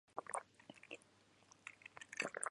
コンゴ共和国の首都はブラザヴィルである